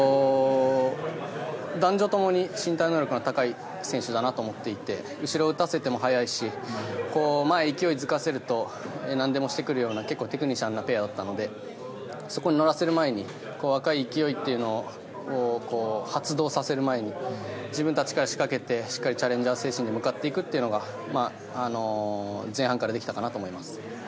男女ともに身体能力の高い選手だなと思っていて後ろ、打たせても速いし前、勢い付かせるとなんでもしてくるような結構テクニシャンなペアだったのでそこに乗らせる前に若い勢いというのを発動させる前に自分たちから仕掛けてしっかりチャレンジャー精神で向かっていくというのが前半からできたかなと思います。